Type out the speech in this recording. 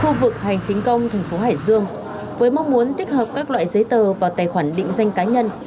khu vực hành chính công thành phố hải dương với mong muốn tích hợp các loại giấy tờ và tài khoản định danh cá nhân